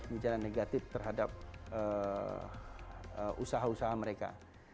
bicara negatif terhadap usaha usaha mereka